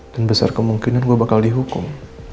dan besar kemungkinan gue bakal dihukum